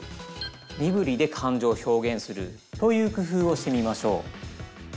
身ぶりで感情を表現するというくふうをしてみましょう。